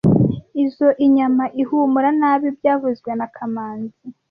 Izoi nyama ihumura nabi byavuzwe na kamanzi